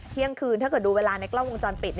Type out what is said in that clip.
เที่ยงคืนถ้าเกิดดูเวลาในกล้องวงจรปิด